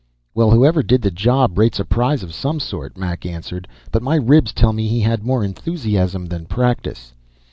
"Well, whoever did the job rates a prize of some sort," Mac answered, "but my ribs tell me he had more enthusiasm than practice."